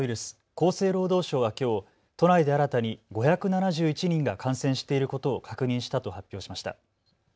厚生労働省はきょう都内で新たに５７１人が感染していることを確認したと発表しました。